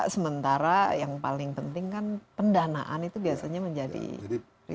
sementara yang paling penting kan pendanaan itu biasanya menjadi prioritas